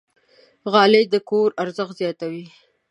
غالۍ د کور ارزښت زیاتوي.